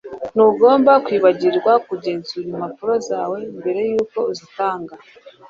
Ntugomba kwibagirwa kugenzura impapuro zawe mbere yuko uzitanga